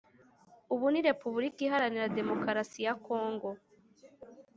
Ubu ni repubulika iharanira demokarasi ya kongo